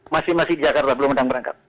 masih masih di jakarta belum ada yang berangkat